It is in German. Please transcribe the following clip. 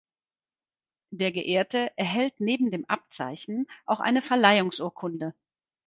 Der Geehrte erhält neben dem Abzeichen auch eine Verleihungsurkunde.